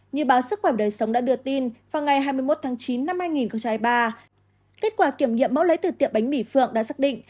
như báo sức khỏe đời sống đã đưa tin vào ngày hai mươi một tháng chín năm hai nghìn hai mươi ba kết quả kiểm nghiệm mẫu lấy từ tiệm bánh mì phượng đã xác định